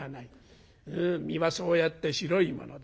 身はそうやって白いものだ。